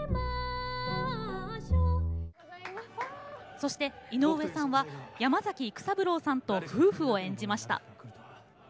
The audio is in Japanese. そして井上さんは山崎育三郎さんと夫婦を演じました。